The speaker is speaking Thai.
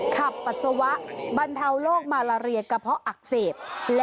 ปัสสาวะบรรเทาโรคมาลาเรียกระเพาะอักเสบ